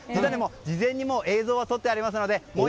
事前に映像は撮ってありますので。